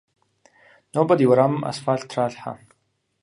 Нобэ ди уэрамым асфалът тралъхьэ.